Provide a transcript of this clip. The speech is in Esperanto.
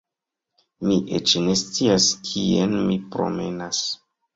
Mi eĉ ne scias kien mi promenas